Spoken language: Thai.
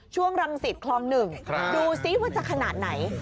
ช่วงรังสิตคลอง๑ดูซิว่าจะขนาดไหน